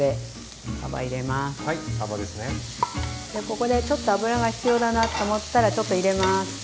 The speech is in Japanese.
ここでちょっと油が必要だなと思ったらちょっと入れます。